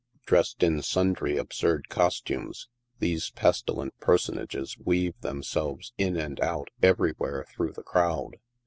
Dressed in sundry absurd costumes, these pestilent personages weave themselves in and out everywhere through the crowd.